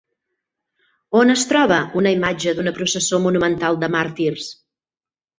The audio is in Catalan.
On es troba una imatge d'una processó monumental de màrtirs?